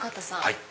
はい。